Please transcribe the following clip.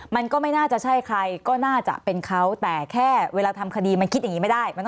มันก็ไม่น่าจะใช่ใครก็น่าจะเป็นเขาแต่แค่เวลาทำคดีมันคิดอย่างนี้ไม่ได้